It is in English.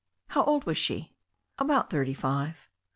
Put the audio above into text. How old was she?" "About tiiirty five."